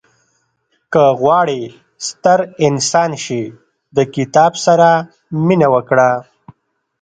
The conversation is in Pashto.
• که غواړې ستر انسان شې، د کتاب سره مینه وکړه.